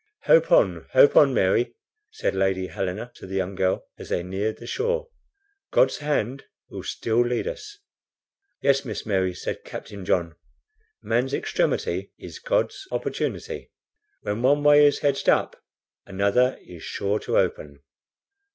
"Hope on! Hope on, Mary!" said Lady Helena to the young girl, as they neared the shore; "God's hand will still lead us." "Yes, Miss Mary," said Captain John. "Man's extremity is God's opportunity. When one way is hedged up another is sure to open."